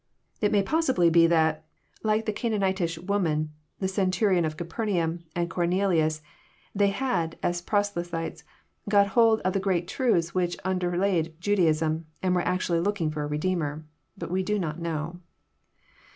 — It may possibly be that, like the Canaanitish woman, the cen turion of Capernaum, and Cornelius, they had, as proselytes, got hold of the great truths which underlaid Judaism, and were actually looking for a Redeemer. But we do not know.